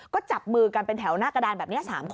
ก็จับมือกันเป็นแถวหน้ากระดานแบบนี้๓คน